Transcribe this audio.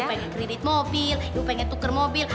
ibu pengen kredit mobil ibu pengen tukar mobil